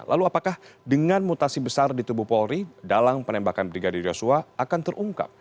lalu apakah dengan mutasi besar di tubuh polri dalang penembakan brigadir yosua akan terungkap